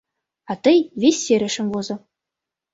— А тый вес серышым возо.